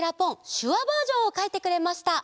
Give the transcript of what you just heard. しゅわバージョンをかいてくれました。